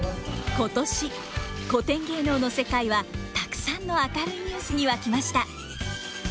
今年古典芸能の世界はたくさんの明るいニュースに沸きました！